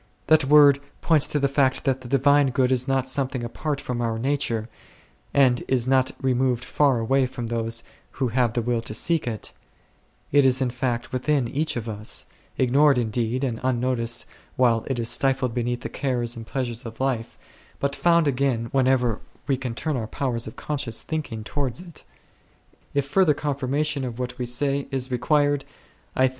That word 3 points out the fact that the Divine good is not something apart from our nature, and is not removed far away from those who have the will to seek it ; it is in fact within each of us, ignored indeed, and unnoticed while it is stifled beneath the cares and pleasures of life, but found again whenever we can turn our power of conscious thinking towards it If further confirmation of what we say is required, I think it will be found in what is suggested by our Lord in the search ing for the Lost Drachma 4.